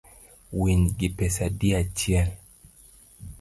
Winygi pesa adi achiel?